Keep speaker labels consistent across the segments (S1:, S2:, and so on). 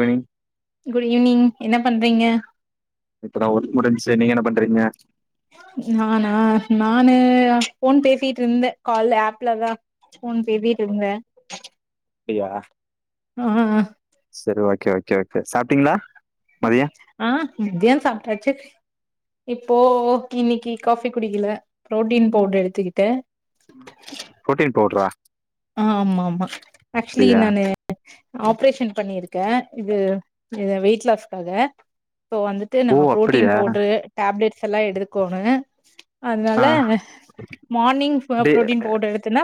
S1: Evening
S2: good evening என்னப் பண்றீங்க
S1: இப்பதா ஒர்க் முடிஞ்சுருச்சு நீங்க என்ன பண்றீங்க
S2: நானா நானு ஃபோன் பேசிட்டு இருந்தே கால் ஆப்லதா ஃபோன் பேசிட்டு இருந்தே
S1: அப்டியா
S2: ம்
S1: சரி ஓகே ஓகே ஓகே சாப்ட்டீங்களா மதிய
S2: ஆ மத்தியான் சாப்பிட்டாச்சு இப்ப இன்னைக்கு காஃபி குடிக்கல ப்ரோட்டீன் பவுடர் எடுத்துக்கிட்டே
S1: புரோட்டீன் பவுடரா
S2: ஆ ஆமாமா ஆக்சுலி நானு ஆப்ரேஷன் பண்ணிருக்கே இது இ வெயிட் லாஸ்க்காக இப்போ வந்துட்டு நா
S1: ஓ
S2: ப்ரோட்டீன்
S1: அப்படியா
S2: பவுடரு டேப்லட் ஸ்ஸல்லா எடுத்துக்கோணு
S1: ஆ
S2: அதனால மார்னிங்
S1: டே
S2: பு்ரோட்டீன் பவுடர் எடுத்தன்னா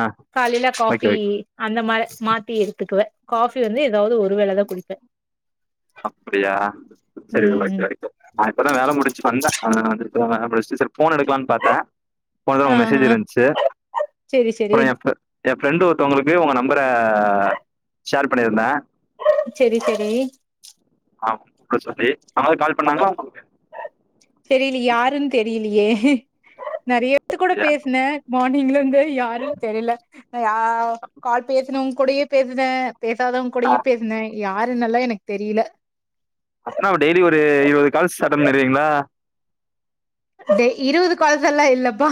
S1: ஆ
S2: காலேல
S1: ஓகே
S2: காஃபி
S1: ஓகே
S2: அன் [unintelligible] மாத்தி எடுத்துக்குவே காஃபி வந்து ஏதாவது ஒரு வேள தா குடிப்பே
S1: அப்படியா சரி
S2: ம்
S1: ஓகே
S2: ம்
S1: ஓகே நா இப்பதா வேல முடிச்சு வந்தே ஆ [unintelligible] முடிச்ச [unintelligible] ஃபோன எடுக்கலாம்னு பாத்தே போன
S2: ஆ
S1: உங்க மெசேஜ்
S2: ஆ
S1: இருந்துச்சு
S2: செரி செரி
S1: அப்புற எ ஃப்ர என் ஃப்ரெண்டு் ஒருத்தவங்களுக்கு உங்க நம்பர ஷேர் பண்ணியிருந்தே
S2: சேரி சேரி
S1: ஆமா அத சொல்லி யாராவது கால் பண்ணாங்கா உங்களுக்கு
S2: தெரியல யாருன்னு தெரியலையே நறைய நேத்து கூட
S1: இல்லையா
S2: பேசுனே மார்னிங்ல இருந்தே யாரோ தெரில ய கால் பேசனு கொடயே பேசுனே பேசாதவங்க
S1: ஆ
S2: கூடயும பேசினே யாருன்னல்லா எனக்கு தெரியல
S1: அப்பனா டெய்லி ஒரு இருவது கால்ஸ் அட்டன்பன்னீற்கீங்களா
S2: அதே இருவது கால்ஸ்சல்லா இல்லப்பா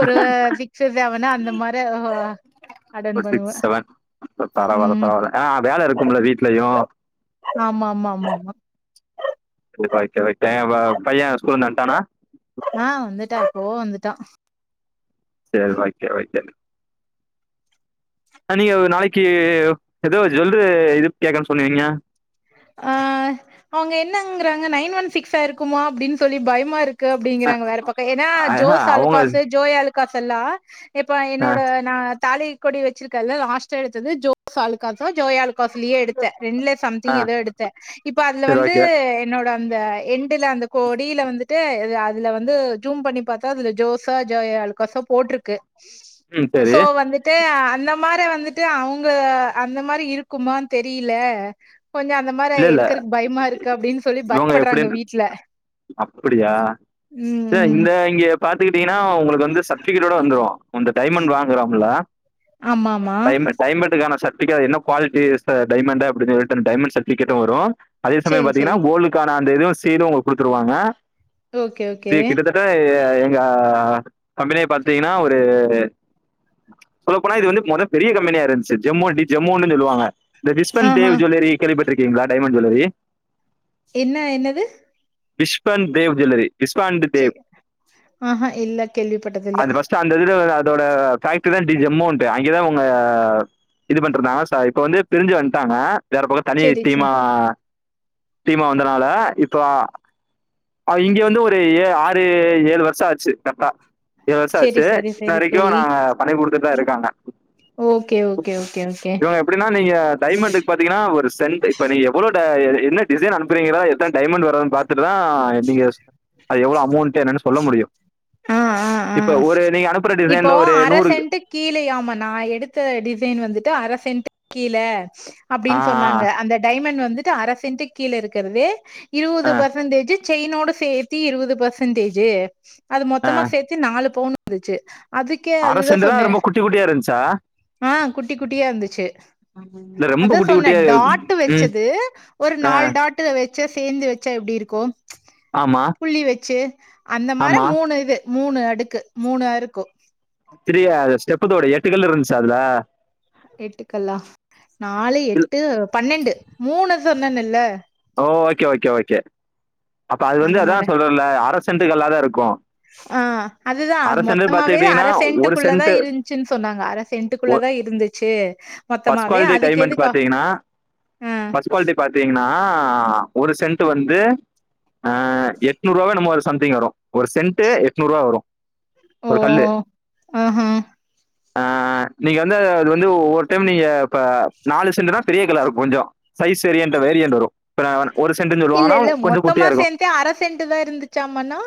S2: ஒரு சிக்ஸு செவனு அந்த மாரி அட்டன்
S1: ஒரு
S2: பண்ணுவே
S1: சிக்ஸ் செவன்
S2: உ
S1: பரவால்ல பரவால்ல ஆ வேல இருக்கும்ல வீட்லயு
S2: ஆமா மா மா மா மா [unintelligible]
S1: [unintelligible] பையன் ஸ்கூல்லந்து வன்ட்டானா
S2: ஆ வந்துட்டா எப்போவோ வந்துட்டா
S1: சேரி ஒகே ஒகே நீங்க நாளைக்கு ஏதோ ஜுவல்லரி இது கேக்கனு சொல்லுவீங்க
S2: ஆ அவங்க என்னங்கறாங்க நைன் ஒன் சிக்ஸா இருக்குமா அப்படின்னு சொல்லி பயமா இருக் கு
S1: அ
S2: அப்படிங்கறாங்க வேற பக்கோ ஏன்னா
S1: ஆஹ
S2: ஜோஸ்
S1: அவங்க
S2: ஆழுகாசு ஜோய் ஆழு காசல்லா இப்ப
S1: ஆ
S2: என்னோட நா தாலி கொடி வச்சிருக்கல லாஸ்ட்டா எடுத்தது ஜோஸ் அழுக்காசு ஜோய் அழுக்கா ஸ்லியே எடுத்தேன் ரெண்டுல சம்
S1: ஆ
S2: திங் ஏதோ எடுத்தேன் இப்ப அதுல
S1: சரி
S2: வந்து
S1: ஓகே
S2: என்னோட அந்த என் டுல அந்த கொடியில வந்துட்டு அதுல வந்து ஜூம் பண்ணி பார்த்தா அதுல ஜோசா ஜோய் அழுக்காசோ போட்டிருக்கு
S1: ம் சரி
S2: சோ வந்துட்டு இந்த மாரி வந்துட்டு அவுங்க அந்த மாரி இருக்குமானு தெரியல கொஞ்சோ அந்த மாரி
S1: இல்ல இல்ல
S2: எடுக்கறக்கு பயமா இருக்கு அப்டின்னு சொல்லி
S1: இவுங்க
S2: பயப்படுறாங்க
S1: எப்படின்
S2: வீட்ல
S1: அப்படியா
S2: ம்
S1: ச
S2: ம்
S1: இந்த இங்க பாத்துக்கிட்டீங்கன்னா உங்களுக்கு வந்து சர்ட்டிபிகேட்டோட வந்துரும் அந்த டைமண்ட் வாங்குறோம்ல
S2: ஆமா ஆமா
S1: டைமண்ட் டைம்ண்ட்டுக்கான சட் அது என்ன குவாலிட்டி ச டைமண்ட் அப்பிடின்னு சொல்ட்டு டைமண்ட் செ டிபிக்கேட்டும் வரும் அதே சமயம்
S2: சேரி
S1: பாத்தீங்கன்னா
S2: சேரி
S1: கோல்டுக்கான அந்த எதுவும் செய்து உங்க கொடுத்துருவாங்க
S2: ஓகே ஓகே
S1: இது கிட்ட தட்ட ஏ இங்க அ கம்பேனிய பாத்திங்கனா ஒரு சொல்லப்‌ போனா இது வந்து மொத பெரிய கம்பெனியா இருந்துச்சு ஜம்மோடி ஜம்மோனு சொல்லுவாங்க இந்த விஸ்வந்
S2: ஆஹா
S1: தேவ் ஜொல்வரி கேள்விபட் டிருக்கிங்களா டைமண்ட் ஜொல்லரி
S2: என்ன என்னது
S1: பிஷ்பன் தேவ் ஜெல்லரி
S2: செர் ஆ இல்ல கேள்விபட்டதில்ல
S1: ஒரு ஃபைவ் கிலோ ஜெம்மோண்டு அங்க தான்‌ அவுங்க இது பண்ட்டு இருந்தா லாஸ்டா இப்ப வந்து பிருஞ்சு வந்டாங்க வேற பக்கம் தனியே
S2: சேரி சேரி
S1: தீமா தீமா வந்தனால இப்போ ஆ இங்க வந்து ஒரு ஏ ஆறு ஏழு வருஷம் ஆச்சு கர்ட்டா ஏழு வருஷம்
S2: சேரி
S1: ஆச்சு
S2: சேரி
S1: இன்ன
S2: சேரி சேரி
S1: வரைக்கும் நாங்க பண்ணி குடுத்துட்டு தான் இருக் ஆமா
S2: ஓகே ஓகே ஓகே ஓகே
S1: இவுங்க எப்படினா நீங்க டைமண்டுக்கு பாத்திங்கனா ஒரு சென்டு‌ இப்ப நீ எவ்வளோ த எ என்ன டிசைன் அனுப்புறிங்களோ எத்தன டைமண்டு வர்துனு பாத்துட்டுதான் அத நீங்க யோஸ் அது எவ்வுளோ அமோண்ட் என்னனு சொல்ல முடியு
S2: ஆ ஆ ஆ
S1: இப்ப ஒரு நீங்க அனுப்புற
S2: இப்போ
S1: டிசைன்ல ஒரு
S2: அர
S1: நூறு
S2: சென்ட்டு கீழயாமா நா எடுத்த டிசைன் வந்து து அர சென்டுக் கீழ
S1: ஆ
S2: அப்டினு சொன்னாங்க அந்த டைமண் வந்து டு அர சென்ட்டு கீழ இருக்குறது இருவது
S1: ஆ
S2: பெர்சன்டேஜு செய்னோடு சேத்தி இருவது பேர்சன்டேஜு அது
S1: ஆ
S2: மொத்தமா சேத்தி நாலு பவுன் ந்துச்சு அதுக்கே
S1: அர
S2: அதுதா
S1: சென்டுதா
S2: சொன்னே
S1: ரொம்ப குட்டி குட்டியா இருந்துச்சா
S2: ஆ குட்டி குட்டியா இருந்துச்சு
S1: இல்ல ரொம்ப
S2: அதா
S1: குட்டி
S2: சொன்னே
S1: குட்டியா
S2: டாட்டு
S1: ம்
S2: வச்சது ஒரு
S1: ஆ
S2: நால் டாட்டு வச் ச்சா சேந்து வச்சா எப்டி இருக்கு ச்சு
S1: ஆமா
S2: புள்ளி வச்சு அந்த மார
S1: ஆமா
S2: மூணு இது மூணு அடுக்கு மூணு அருக்கு
S1: சரியா அது ஸ்டெப்பு தோடு எட்டு கள்ளு இருந்சா அதுல
S2: எட்டுக்கல்லா நாலு எட்டு பன்னெண்டு மூணு சொன்னேனுல்ல
S1: ஓ ஓகே ஓகே ஓகே அப்ப அது வந்து
S2: அந்த
S1: அதா
S2: மார
S1: சொல்றேன்ல அரை சென்ட்டுக்கு எல்லாதா இருக்கு
S2: ஆ‌ அதுதா அது
S1: அரை சென்ட்
S2: மொத்தமாவே
S1: பாத்துக்கிட்டீங்கன்னா ஒரு
S2: அரசென்ட்டுகுள்ளதா
S1: சென்ட்
S2: இருந்சுனு சொன்னாங்க அரசென்ட்டுகுள்ளதா இருந்துச்சு
S1: ஃபர்ஸ்ட்
S2: மொத்தமாவே
S1: குவாலிட்டி டைமண்ட்
S2: அதுக்கெதுக்
S1: பாத்தீங்கன்னா
S2: ஆ‌
S1: அ ஒரு சென்ட் வந்து அ எட்நூறுபாவோ என்னமோ ஒரு சம்திங் வரு ஒரு சென்ட்டு எட்நூருபா வரு
S2: ஓ
S1: ஒரு கல்லு
S2: ஆஹா
S1: ஆ நீங்க வந்து அது வந்து ஒவ்வொர் டைம் நீங்க ப நாலு சென்ட் நாபெரிய கல்லா இருக்கு கொஞ்ச சைஸ் சரியன்ட் வேரியண்ட் வரு [unintelligible]
S2: இல்ல
S1: சொல்லுவாங்கன்னா
S2: இல்ல
S1: கொஞ்சோ
S2: மொத்தமா
S1: குட்டியா இருக்கு
S2: சேந்தே அர சென்ட்டு தா இருந்துச்சாம்மான்ணா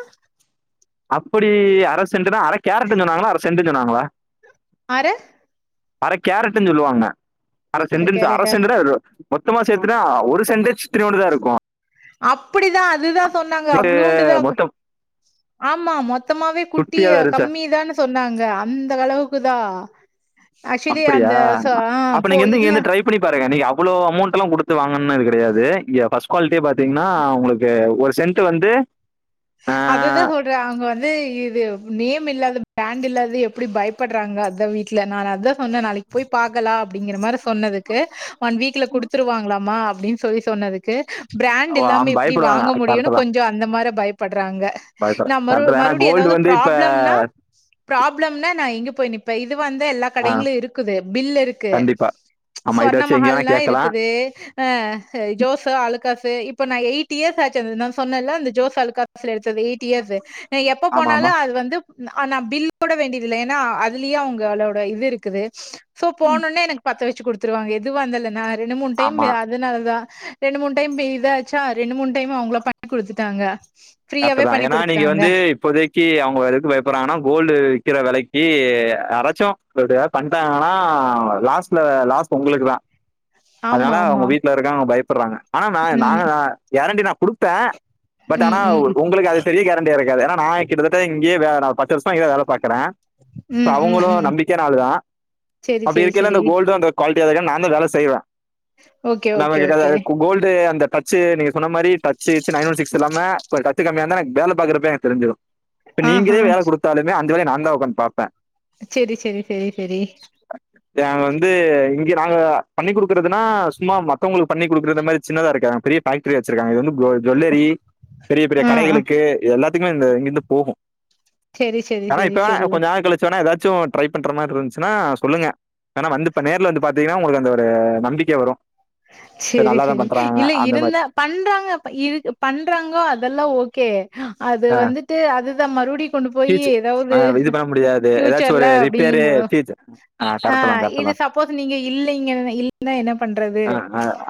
S1: அப்படி அரஸ் சென்டு தா அரகேரட்னு சொன்னாகளா அர சென்டு சொன்னாங்களா
S2: அர
S1: அர கேரட்னு சொல்லுவாங்க அர சென்டுன்னு ச அர சென்டுதா இது மொத்தமா சேர்த்துட்டா ஒரு சென்டு சித்திரோண்டுதா இருக்கு
S2: அப் புடி தா அதுதா சொன்னாங்க அவ்வுளுண்டுதா
S1: மொத்தம்
S2: ஆமா மொத்தமாவே
S1: குட்டியா
S2: குட்டிய
S1: தான் இருந்துச்சா
S2: கம்மிதான்னு சொன்னாங்க அந்த அளவுக்கு தா
S1: அப்புடியா
S2: ஆ
S1: அப்ப
S2: போ
S1: நீங்க ந்து
S2: இதுல
S1: இங்கந்து ட்ரை பண்ணி பாருங்க நீங்கஅவ் அவ்வளோ அமௌண்ட் எல்லா கொடுத்து வாங்கணும்ன்னனு அது கடையாது இங்க ஃபஸ்ட்டு குவாலிட்டியே பாத்தீங்கன்னா உங்கலுக்கு ஒரு சென்ட் வந்து
S2: அததா
S1: ஆஹ்,
S2: சொல்றே அவங்க வந்து இது நேம் இல்லாத பிராண்ட் இல்லது எப்புடி பயப்படுறாங்க அந்த வீட்ல நா அந்த சொன்னே நாளைக்கு போய் பாக்கலா அப்புடிங்கிற மாரி சொன்னதுக்கு ஒன் வீக்ல குடுத்துருவாங்ளா மா அப்டின் சொல்லி சொன்னதுக்கு பிராண்ட் இல்லாம
S1: அவன்
S2: எப்டி
S1: பயப்படுவாங்க
S2: வாங்க முடியுனு
S1: கரெக்ட் தான்
S2: கொஞ்ச அந்த மார பயப் ராங்க நா
S1: பயப்படுறேன்
S2: மறு
S1: கரெக்ட் தான் ஏன்னா
S2: மறுபடியு
S1: கோல்டு
S2: ஏதாவது
S1: வந்து இப்ப
S2: ப்ராப்ளம்னா ப்ராப்ளம்னா நா எங்க போய் னிப்பே இது து வந்து எல்லா
S1: ஆஹ்,
S2: கடைங்குளு இருக்குது பில் இருக்கு
S1: கண்டிப்பா ஆமா இதை
S2: சோர்ண
S1: வச்சு எங்க வேணா
S2: மஹால்ல
S1: கேட்கலாம்
S2: இருக்குது ஆ ஹ எ ஜோஸ் ஆளுக் கசே இப்ப நா எயிட் இயர்ஸ் ஆந்த சொன்ன இ அந்த ஜோஸ் அலுகா சேரி எயிட் இயர்ஸ் ஆ ந எப்ப
S1: ஆமா
S2: போனாலு
S1: ஆமா
S2: அது வந்து ந நா பில் கூட வேண்டியதில்ல ஏன்னா அதுலயே அவங்கலோட இது இருக்குது சோ போனோன்னே எனக் பத்து விஸ் சு கொடுத்துருவா எதுவா இந்தாலன்ன ரெண்டு மூண் டைம்
S1: ஆமா
S2: அது நால தா ரெண்டு மூண் டைம் பேஸ் ஆச்சா ரெண்டு மூணு டைம்மு அவங்லோ பண்ணி குடுத்துட்டாங்க
S1: கர்ட
S2: ஃப்ரீயாவே
S1: தா
S2: பண்ணி
S1: ஏனா நீங்க
S2: குடுத்துட்டாங்க
S1: வந்து இப்போதைகீ அவங்க வக்கு பயப்படுறாங்கன்னா கோல்டு விக்கிற விலைக் ஏ அரைச்சு [unintelligible] பண்ட்டாங்கன்னா லாஸ்ட்ல லாஸ்ட் உங்களுக்கு தா
S2: ஆமா
S1: அதனால அவங்க
S2: ஆமா
S1: வீட்ல இருக்கவங்க பயப்படுறாங்க ஆனா நாங்க கேரண்டிதா குடுத்தே
S2: உ
S1: ஆ உங்களுக்கு அது தெரிய கேரண்டியா இருக்காது நா கிட்டத்தட்ட இங்கயே வே நா பத்து வருஷமா இங்கதா வேல பாக்குறே சோ
S2: ம் ம்
S1: அவங்களு
S2: ம்
S1: நம்பிக்கையான ஆளுதா
S2: செரி
S1: அப்படி
S2: செரி
S1: இருக்கேல்ல
S2: செரி
S1: இந்த கோல்டு குவாலிட்டியா இருக்க நானு வேல செய்வே
S2: ஓகே ஓகே
S1: நமக்கிட்ட
S2: ஓகே
S1: ஏதாது கோல்டு அந்த டச்சு நீங்க சொன்ன மாரி டச்சு கிச்சு நையின் ஒன் சிக்ஸ் இல்லாம ஒரு கத்து கமியா இருந்தா எனக்கு வேலை பாக்கறப்பே எனக்கு தெரிஞ்சிடும் இப்ப
S2: ஆஹா
S1: நீங்களே வேலை குடுத்தாலுமே அந்த வேலை நா இந்தா ஒக்காந்து பாப்பேன்
S2: செரி செரி செரி செரி
S1: ட வந்து இங்க நாங்க பண்ணி குடுக்குறதுனா சும்மா மத்தவங்களுக்கு பண்ணி குடுற மாரி சின்தா இருக்க பெரிய பேக்டரி வச்சிருக்காங்க இது வந்து குளோ ஜுவல்லரி பெரிய பெரிய
S2: ஆ ஆ
S1: கடைகளுக்கு இது எல்லாத் துக்குமே இந்த இங்கேருந்து போகும்
S2: செரி செரி
S1: ஆனா
S2: செரி
S1: இப்ப
S2: செரி
S1: வேணா
S2: ஓ
S1: கொஞ்ச நாள் கழிச்சு வேணா ஏதாச் சோ ட்ரை பண்ற மாரி இருந்துச்சுன்னா சொல்லுங்க ஏனா வந்து நேர்ல வந்து பாத்தீங்கன்னா உங்களுக்கு அந்த ஒரு நம்பிக்கை வரும் சரி
S2: சேரி
S1: நல்லா தான்
S2: சேரி
S1: பண்றாங்க
S2: இல்ல
S1: அந்த மாரி.
S2: இருந்தா பண்றாங்க இருக் பண்றாங்கோ அதெல்லா ஓகே அது
S1: ஆ
S2: வந்துட்டு அது தா மருவுடி கொண்டு போயி
S1: ஃபீச்
S2: ஏதாவுது
S1: ஆ இது பண்ண முடியாது. ஏதாச்சும்
S2: பியூச்சர்ல
S1: ஒரு
S2: அப்டிங்க
S1: ரிப்பேரு
S2: போ
S1: ஃபீச்
S2: ஆ
S1: கரெக்ட்டு தான் கரெக்ட்டு
S2: இது
S1: தான்.
S2: சப்போஸ் நீங்க இல்லிங்க இல்லன்னா என்ன பண்றது
S1: அ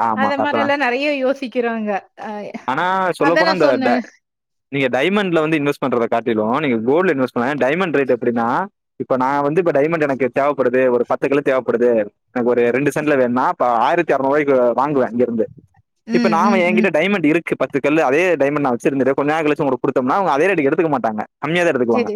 S1: ஆமா
S2: அத
S1: கரட்டுதா
S2: மாரில்லா நெறைய யோசிக்கிறாங்க அ
S1: ஆனா சொல்ல
S2: அதா நா
S1: போனா இந்த
S2: சொன்னே
S1: ட நீங்க டைமண்ட்ல வந்து இன்வெஸ் பண்றத காட்டிலு நீங்க கோல்டுல இன்வெஸ் பண்ணுங்க டைமண்ட் ரேட் எப்டினா இப்ப நா வந்து இப்ப டைமண்ட் எனக்கு தேவைப்படுது ஒரு பத்து கிலோ தேவைப்படுது எனக்கு ஒரு ரெண்டு சென்ட் வேணுனா ப ஆயிரத்தி ஆறநூறுவாய்க்கு வாங்குவேன் இங்கிருந்து இப்ப
S2: ம்
S1: நாம
S2: ம் ம்
S1: என்கிட்ட டைமண்ட் இருக் கு பத்து கல்லு அதே டைமண்ட் நா வச்சிருந்துட்டு கொஞ்ச நேரங் கழிச்சு உங்கள்ட குடுத்தோம் அவங்க அதே ரேட்டுக்கு எடுத்துக்க மார்னிங் மாட்டாங்க கம்மியா தா எடுத்துக்குவாங்க
S2: சேரி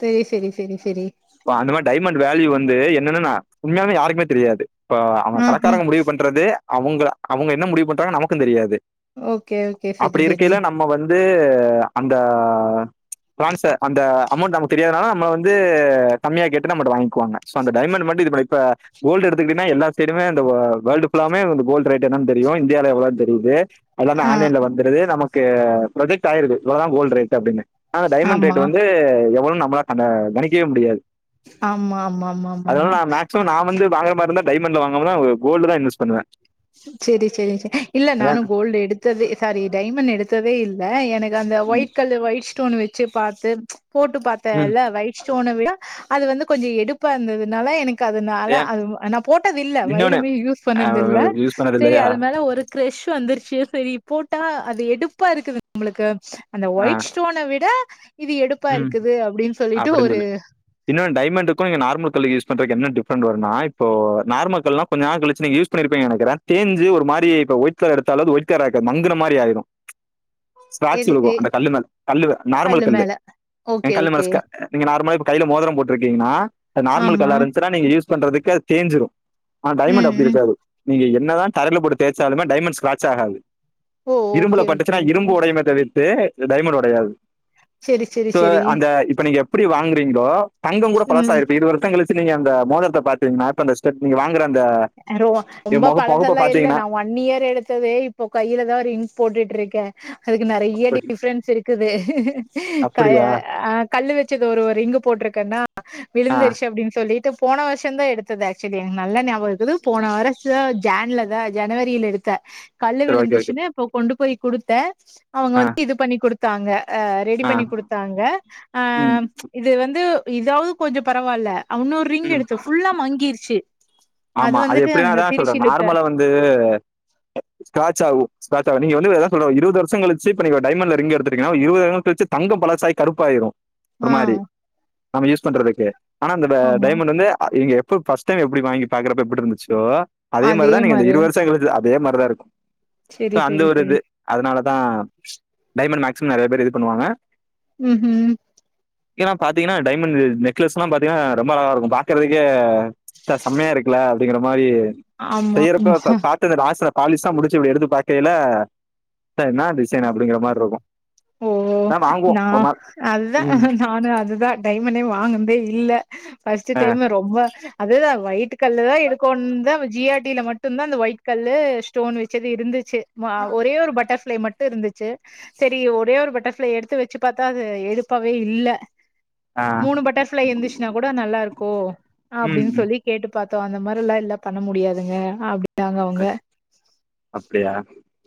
S2: செரி செரி செரி செரி
S1: இப்ப அந்த மாரி டைமண்ட் வேல்யூ வந்து என்னன்னா உண்மையாவே யாருக்குமே தெரியாது இப்போ அவுங்க
S2: ஆஹா
S1: கடக்காரங்க முடிவு பண்றது அவுங்க அவுங்க என்ன முடிவு பண்றாங்க நமக்கும் தெரியாது
S2: ஓகே ஓகே சரி சரி
S1: து அந்த டிரான்ஸ அந்த அமௌண்ட் நமக்கு தெரியாதனால நம்ம வந்து கம்மியா கேட்டு நம்மள்ட வாங்கிக்குவாங்க சோ அந்த டைமண்ட் மட்டும் இது பண்ணு இப்ப கோல்டு எடுத்துக்கிட்டன்னா எல்லா சைடுமே இந்த வ வேல்டு ஃபுல்லாவுமே இந்த கோல் ரேட் என்னானு தெரியும் இந்தியால எவ்ளோ தெரியுது எல்லாமே
S2: ஆ
S1: ஆன் லைன்ல வந்துருது நம்ம க்கு ப்ரொஜெக்ட் ஆயிருக்கு இவ்ளோ தா கோல்டு ரேட்டு அப்டின்னு ஆன டைமண்ட்
S2: ஆமா
S1: ரேட் வந்து நம்மளால அந்த கணிக்கவே முடியாது
S2: ஆமா ஆமா ஆமா ஆமா
S1: அதனால
S2: ஆமா
S1: நா மேக்சிமம் நா வந்து வாங்குற மாரி இருந்தா டைமண்ட் வாங்கமா கோல்டு தா இன்வஸ் பண்ணுவேன்
S2: செரி செரி இல்ல நானும் கோல்டு எடுத்ததே சாரி டைமண்ட் எடுத்ததே இல்ல எனக்கு அந்த
S1: ம்
S2: ஒய்ட் கல்லு ஒய்ட் ஸ்டோன் வச் செரி பாத்து போட்டு
S1: ம்
S2: பாத்தேன்ல ஒயிட் ஸ்டோனை விட அது வந்து கொஞ்சம் எடுப்பா இருந்ததுனால எனக் அதனால
S1: ஏன்
S2: அது நா போட்டது இல்ல
S1: இன்னொன்னு
S2: வைரமே யூஸ் பண்ணது இல்ல
S1: யூஸ் பண்ணது
S2: செரி
S1: இல்லையா
S2: அது மேல ஒரு கிரெஷ் வந்துருச்சு செரி போட்டா அது எடுப்பா இருக்குது நம்மளுக்கு அந்த
S1: ஆ
S2: ஒயிட் ஸ்டோனை விட இது எடுப்பா
S1: ம்
S2: இருக்குது அப்டின்னு சொல்லிட்டு
S1: அப்டின்னு
S2: ஒரு
S1: ட் கல்லு யூஸ் பண்றதுக்கு என்ன டிப்ரண்ட்டு வரும்னா இப்போ நார்மல் கல்லாம் கொஞ்ச நாள் கழிச்சு நீங்க யூஸ் பண்ணிருப்பங்க நினைக்கிரேன் தேஞ்ஜி ஒரு மாரி இப்ப ஒயிட் எடுத்தாலும் ஒயிட் கலரா இருக்காது மங்குன மாரி ஆகும் ஸ்கிராச்
S2: எதுக்கு
S1: விழுகும் அந்த கல்லுல கல்லுல நார்மல் கல்லு ஏ
S2: ஓகே
S1: கல்
S2: ஓகே
S1: மேல ஸ்கி நார்மலா கையில மோதிரம் போட்டிருக்கீங்கன்னா நார்மல்
S2: ஆமா
S1: கல்லா இருந்துச்சன்னா நீங்க யூஸ் பண்றதுக்கு அது தேஞ்சிரும் ஆ டைமண்ட்
S2: ம்
S1: அப்டி
S2: ம்
S1: இருக்காது நீங்க என்ன தா தரையில போட்டு தேய்சாலுமே டைமண்ட்ஸ் ஸ்கிராச் ஆகாது
S2: ஓ
S1: இரும்புல
S2: ஓகே ஓகே
S1: பட்டுச்சுன்னா
S2: ஓகே
S1: இரும்பு உடையுமே தவி [unintelligible] டைமண்ட் ஓடையாது
S2: செரி செரி
S1: ப்ப
S2: செரி
S1: அந்த இப்ப நீங்க எப்டி வாங்கறீங்களோ தங்கங் கூட
S2: ம்
S1: பழசாயிருக்கு இருவது வருஷங் கழிச் சு நீங்க அந்த மோதரத்த பாத்தீங்கனா இப்ப அந்த ஸ்டட் நீங்க வாங்கற
S2: ஆ ரோவா ரொம்ப பழசா எல்லா இல்ல
S1: பாத்தீங்கன்னா
S2: நா ஒன் இயர் எடுத்தது இப்போ கையிலதா ரிங்க் போட்டுட்ருக்கே அதுக்கு நெறைய டிஃபரென்ஸ் இருக்குது [inaudible] கல்லு
S1: அப்படியா?
S2: ஆ கல்லு வச்சது ஒரு ரிங்கு போட்ருக்கனா
S1: ஆ
S2: விழுந்திருச்சு அப்டின்னு சொல்லிட்டு போன வருஷந்தா எடுத்தது ஆக்சுவலி எனக்கு நல்லா ஞாபகோ இரு க்குது போன வருஷோ ஜான்லதா ஜனவரியில எடுத்த கல்லு
S1: சரி ஓகே, ஓகே.
S2: விழுந்துருச்சுன்னு இப்ப கொண்டு போய் குடுத்த அவுங்க
S1: ஆ,
S2: வந்து இது பண்ணி குடு த்தாங்க ஆ ரெடி
S1: ஆ.
S2: பண்ணி குடுத்தாங்க
S1: ம்,
S2: அம் இது வந்து இதாவது கொஞ்ச பரவால்ல ஆ உன்னொரு ரிங்
S1: ம்.
S2: எடுத்தே ஃபுல்லா மங்கிருச்சு
S1: ஆமா அது
S2: வந்துட்டு
S1: எப்பிடினா
S2: அங்க
S1: அதா நா சொல்றே
S2: திருச்சிலிட்ட
S1: நார்மலா வந்து ஸ்க்ராட்ச் ஆகு ஸ்க்ராட்ச் ஆயிரு நீங்க வந்து அதா சொல்றே இருவது வருஷங் கழிச்சு இப்ப நீங்க டைமண்டல ரிங் எடுத்துட்டீங்கனா இருவது வருஷோ கழிச்சு தங்கோ பழசாயி கருப்பாயிரு ஒரு
S2: ஆ
S1: மாரி நாம யூஸ் பண்றதுக்கு ஆனா அந்த ஆ
S2: ஆமா
S1: டைமண்ட் வந்து அது நீங்க எ ப்ப ஃபர்ஸ்ட் டைம் எப்டி வாங்கி பாக்கறப்ப எப்டி இருந்துச்சோ அதே மாரிதா நீங்க அந்த இருவது வருஷங் கழிச்சு அதே மாரிதா இருக்கு
S2: செரி
S1: இப்ப அந்த
S2: செரி
S1: ஒரு
S2: செரி
S1: இது அதனால அதா டைமண்ட் மேக்சிமம் நெறைய பேர் இது பண்ணுவாங்க
S2: ம் ஹும்
S1: ஏன்னா பாத்தீங்கன்னா டைமண்ட் நெ நெக்லஸ் எல்லாம் பாத்தீங்கன்னா ரொம்ப அழகா இருக்கு பாக்கறதுக்கே ச செமையா இருக் கல்ல அப்டிங்கிற மாரி
S2: ஆமா
S1: செய்யறப்ப இப்ப பாத்தது அந்த ஆச பாலிஸ்லா முடிச்சு இப்டி எடுத்து பாக்கையில ச்ச என்னா டிசைன் அப்டிங்கிற மாரி இருக்கும்
S2: ஓ
S1: ஆனா வாங்குவோம்
S2: நா
S1: ஒரு நாள்
S2: அதுதா
S1: ம்
S2: நானு அதுதா டைமண்டே வாங்குனதே இல்ல ஃபஸ்ட்டு
S1: ஆ
S2: டைமு ரொம்ப அதுதா ஒய் ட்டு கல்லுதா எடுக்கோனுன்தா ஜி ஆர் டி ல மட்டும்தா அந்த ஒயிட் கல்லு ஸ்டோன் வச்சது இருந்துச்சு மா ஒரே ஒரு பட்டர்ஃப்ளை மட் டு இருந்துச்சு செரி ஒரே ஒரு பட்டர்ஃப்ளை எடுத்து வச்சு பாத்தா அது எடுப்பாவே இல்ல
S1: ஆ
S2: மூணு பட்டர்ஃபிளை இருந்துச்சுன்னா கூட நல்லா இருக்கு
S1: ம்
S2: அப்டின்னு சொல்லி கேட்டு பாத் தோ அந்த மாரில்லா இல்ல பண்ண முடியாதுங்க அப்டின்
S1: கே அப்டியா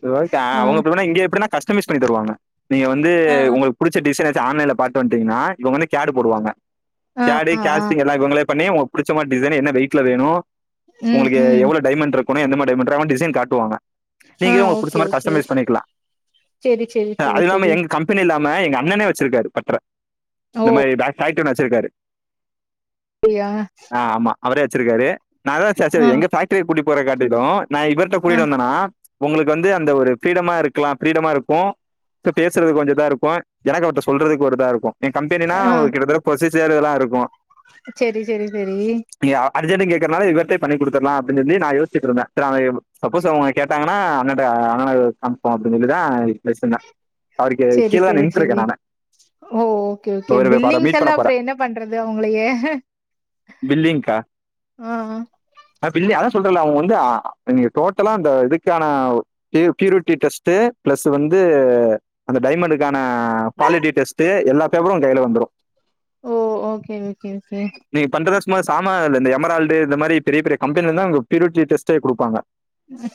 S1: சேரி ஓகே அ
S2: ஆ
S1: அவங்க அப்பிடினா இங்க எப்பிடினா கஸ்டமைஸ் பண்ணித் தருவாங்க நீங்க வந்து
S2: ஆ
S1: உங்களுக்கு புடிச்ச டிசைன ஆன்லைன்ல பாத்ட்டு வந்ட்டீங்கன்னா இவங்க வந்து கேடு போடுவாங்க கேடு,
S2: ஆ ஆ
S1: காஸ்டிங் எல்லா இவங்களே பண்ணி உங்களுக்கு புடிச்ச மாரி டிசைன் என்ன வெயிட்ல வேணு
S2: ம்
S1: உங்களுக்கு
S2: ம்
S1: எவ்ளோ டைமண்ட் இருக் எந்த மாரி டைமண்ட்ருத அவங்க டிசைன் காட்டுவாங்க
S2: ஆ
S1: நீங்க உங்களுக்கு புடிச்ச
S2: ஓகே
S1: மாரி
S2: ஓகே
S1: கஸ்டமைஸ் பண்ணிக்கலா
S2: செரி செரி
S1: அ
S2: செரி
S1: அது இல்லாம
S2: செரி
S1: எங்க கம்பெனில ன்னா எங்க அண்ணனே வச்சிருக்காரு பட்ற
S2: ஓ
S1: இந்த மாரி [unintelligible] ஃபேக் ட்ரி ஒண்ணு வச்சுருக்காரு
S2: அப்டியா
S1: அவரே வச்சிருக்காரு நா அதா சேர்
S2: ஆ
S1: சேரி எங்க ஃபேக்ட்ரிக்கு கூட்டி போறது காட்டிலு நா இவர்ட்ட
S2: ஆ
S1: கூட்டிட்டு வந்தனா உங்களுக்கு வந்து அந்த ஒரு ஃப்ரீடமா இருக்கலா ஃப்ரீடமா இருக்கு பே பேசுறது கொஞ்சொ இதா இருக்கு எனக்கு அவர்ட்ட சொல்றதுக்கு ஒரு இதா இருக்கு ஏன் கம்பெனினா
S2: ஆ
S1: ஒரு கிட்டதட்ட ப்ரொசிஸ் ஜரெல்லா இருக்கு
S2: செரி செரி செரி
S1: ர்ஜெண்டுனு கேக்கறனால இவர்ட்டயே பண்ணி குடுத்தர்லா அப்டின் சொல்லி நா யோசிச்ட்ருந்தே செரி அவங்க இப் சப்போஸ் அவங்க கேட்டாங்கனா நா அண்ணட்ட அண்ணனுக்கு காமிப்போ அப்டின்னு சொல்லிதா பேசுன
S2: செரி செரி செரி ஓ ஓகே ஓகே
S1: இவரு பாரு
S2: பில்லிங்ஸ்
S1: மீட் பண்ண
S2: எல்லா
S1: போறேன்
S2: அப்பறம் என்ன பண்றது அவங்களைய ஆ ஆ
S1: ஆ பிள்லயா அதாஸ் சொல்றல அவுங்க வந்து நீங்க டோட்டலா அந்த இதுக்கான பியூரிட்டு டெஸ்ட் பிளஸ் வந்து அந்த டைமனுக்கான குவாலிட்டி டெஸ்டு எல்லா பேப்பரு கைல வந்துரு
S2: ஓ ஓகே ஓகே ஓகே
S1: ம்மு சாமா இந்த இந்த எமரால்டு இந்த மாரி பெரிய பெரிய கம்பெனிலந்த பிருட்டி டெஸ்டே குடுப்பாங்க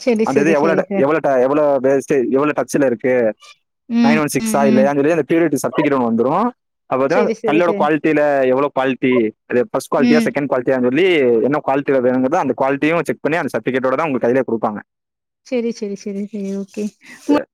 S2: செரி
S1: அந்த இது
S2: செரி
S1: எவ்வள
S2: செரி சார்
S1: எவ்வள எவ்வள வேஸ்ட்டு எவ்வள டச்சுல இருக்கு
S2: ம்
S1: நயன் ஒன் சிக்
S2: ம்
S1: ஷா
S2: ம்
S1: இல்லயா தெரியலப் [unintelligible] வந்துரு அத
S2: செரி செரி
S1: கல்லோட
S2: செரி
S1: குவாலிட்டில எவ்ளோ குவாலிட்டி அது ஃபர்ஸ்ட் குவாலிட்டியா
S2: ம்
S1: செகண்ட் குவாலிட்டியங்கறது வீ என்ன குவாலிட்டி வெத வேணுங்தோ அந்த குவாலிட் டீம் செக் பண்ணி அந்த சட்டிப்கேட்டோ டத வொங்க கையில குடுப்பாங்க
S2: செரி செரி செரி செரி ஓகே உ